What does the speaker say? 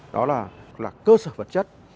đó là cơ sở vật chất